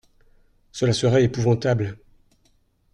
Cela serait épouvantable.